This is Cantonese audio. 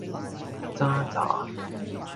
咋喳